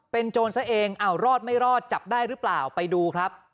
เป็นโจรซะเองอ้าวรอดไม่รอดจับได้หรือเปล่าไปดูครับ